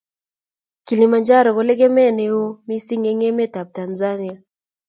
Kilimanjaro ko lekemee ne oo mising eng emet ab Tanzania.